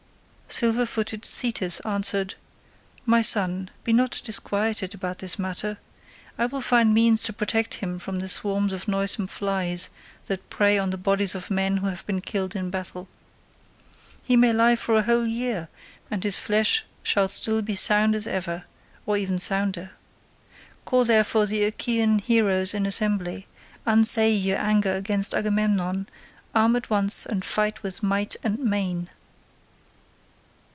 Silver footed Thetis answered, "My son, be not disquieted about this matter. I will find means to protect him from the swarms of noisome flies that prey on the bodies of men who have been killed in battle. He may lie for a whole year, and his flesh shall still be as sound as ever, or even sounder. Call, therefore, the Achaean heroes in assembly; unsay your anger against Agamemnon; arm at once, and fight with might and main."